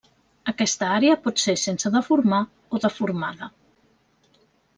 Aquesta àrea pot ser sense deformar o deformada.